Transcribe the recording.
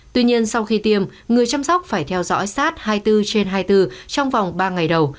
tuy nhiên sau khi tiêm người chăm sóc phải theo dõi sát hai mươi bốn trên hai mươi bốn trong vòng ba ngày đầu